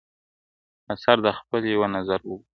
آثر د خپل یوه نظر وګوره .